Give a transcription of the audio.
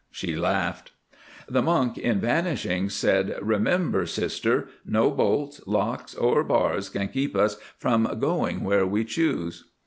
She laughed.) The monk, in vanishing, said, 'Remember, Sister, no bolts, locks, or bars can keep us from going where we choose.